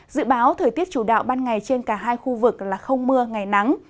dự báo thời tiết chủ đạo ban ngày trên cả hai khu vực là không mưa ngày nắng